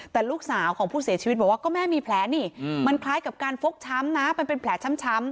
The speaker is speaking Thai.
แต่ลูกสาวของผู้เสียชีวิตบอกว่าก็แม่มีแผลนี่มันคล้ายกับการฟกช้ำนะมันเป็นแผลช้ำ